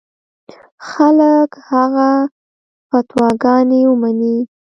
خلک هغه فتواګانې ومني.